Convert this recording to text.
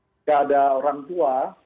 tidak ada orang tua